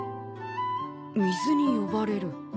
「水に呼ばれる」